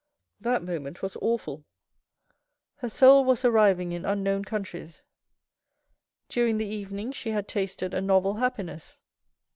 That moment was awful. Her soul was arriving in unknown countries. During the evening she had tasted a novel happiness.